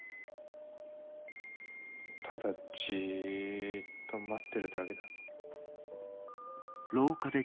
ただじっと待ってるだけだ。